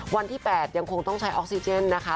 วันที่๘ยังคงต้องใช้ออกซิเจนนะคะ